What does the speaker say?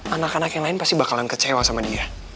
anak anak yang lain pasti bakalan kecewa sama dia